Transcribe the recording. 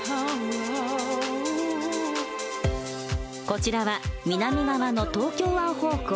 こちらは南側の東京湾方向。